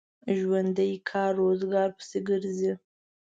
ژوندي کار روزګار پسې ګرځي